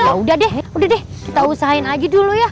yaudah deh udah deh kita usahain aja dulu ya